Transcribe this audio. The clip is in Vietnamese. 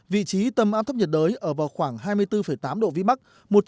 vị trí tâm áp thấp nhiệt đới ở vào khoảng hai mươi bốn tám độ vĩ bắc